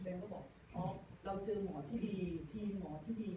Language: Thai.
เขาบอกอ๋อเราเจอหมอที่ดีทีมหมอที่ดี